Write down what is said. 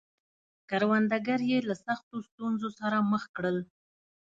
کروندګر یې له سختو ستونزو سره مخ کړل.